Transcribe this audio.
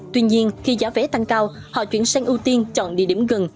tuy nhiên khi giá vé tăng cao họ chuyển sang ưu tiên chọn địa điểm gần